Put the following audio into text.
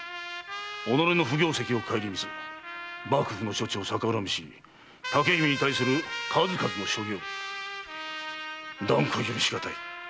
己の不行跡を省みず幕府の処置を逆恨みし竹姫に対する数々の所業断固許しがたい！